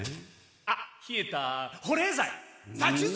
あっひえた保冷剤！